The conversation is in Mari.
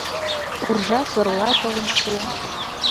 Уржа-сорла толын шуо.